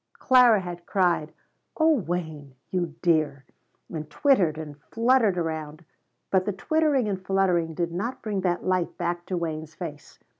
Clara had cried: "Oh Wayne you dear!" and twittered and fluttered around, but the twittering and fluttering did not bring that light back to Wayne's face.